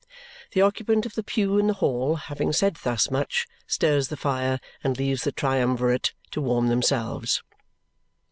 The occupant of the pew in the hall, having said thus much, stirs the fire and leaves the triumvirate to warm themselves.